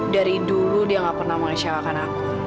dari dulu dia gak pernah mengecewakan aku